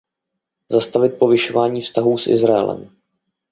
Zastavit povyšování vztahů s Izraelem.